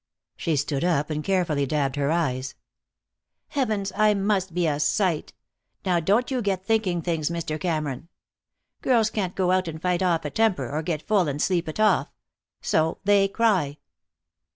She stood up and carefully dabbed her eyes. "Heavens, I must be a sight. Now don't you get to thinking things, Mr. Cameron. Girls can't go out and fight off a temper, or get full and sleep it off. So they cry."